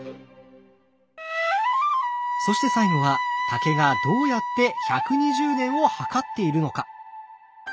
そして最後は竹がどうやって１２０年を計っているのか？